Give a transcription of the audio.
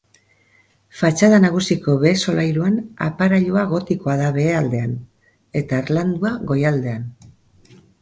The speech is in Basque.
Fatxada nagusiko behe-solairuan aparailua gotikoa da behealdean, eta harlandua goialdean.